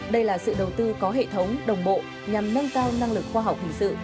đây là sự đầu tư có hệ thống đồng bộ nhằm nâng cao năng lực khoa học hình sự